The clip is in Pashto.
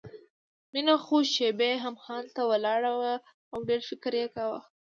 مينه څو شېبې همهغلته ولاړه وه او ډېر فکر يې کاوه.